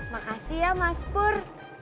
makasih ya mas pur